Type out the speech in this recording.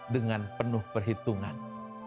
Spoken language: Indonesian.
dengan penuh perhitungan